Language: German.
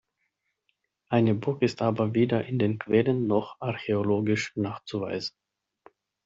Eine Burg ist aber weder in den Quellen noch archäologisch nachzuweisen.